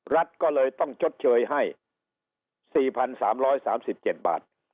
รัฐก็เลยต้องชดเชยให้๔๓๓๗บาท